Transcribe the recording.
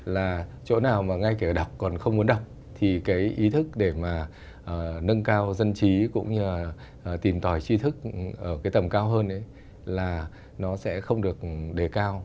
là chỗ nào mà ngay cả đọc còn không muốn đọc thì cái ý thức để mà nâng cao dân trí cũng như là tìm tòi chi thức ở cái tầm cao hơn ấy là nó sẽ không được đề cao